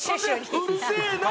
うるせえな！